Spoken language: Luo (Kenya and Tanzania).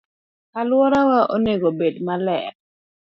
Aluorawa onego obed maler.